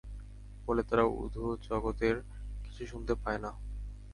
ফলে তারা ঊধ্বজগতের কিছু শুনতে পায় না।